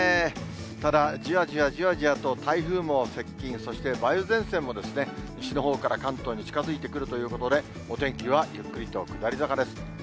ただじわじわじわじわと、台風も接近、そして梅雨前線も西のほうから関東に近づいてくるということで、お天気はゆっくりと下り坂です。